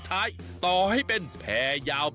วันนี้พาลงใต้สุดไปดูวิธีของชาวเล่น